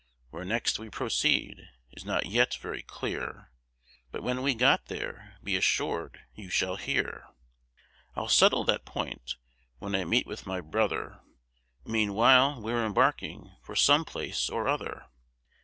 Where next we proceed, is not yet very clear, But, when we get there, be assur'd you shall hear; I'll settle that point, when I meet with my brother, Meanwhile, we're embarking for some place or other.